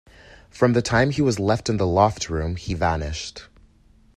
From the time when he was left in the loft-room, he vanished.